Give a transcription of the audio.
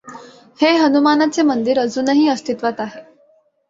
हे हनुमानाचे मंदिर अजुनही अस्तित्वात आहे.